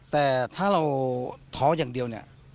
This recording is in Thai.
แต่ถ้าท้อยังเดียวเนี่ย